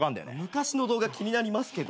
昔の動画気になりますけど。